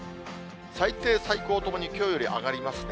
最低、最高ともにきょうより上がりますね。